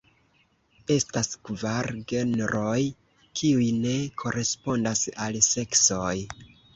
Estas kvar genroj, kiuj ne korespondas al seksoj.